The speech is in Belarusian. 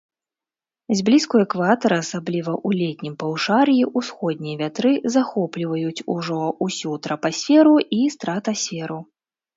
Зблізку экватара, асабліва ў летнім паўшар'і, усходнія вятры захопліваюць ужо ўсю трапасферу і стратасферу.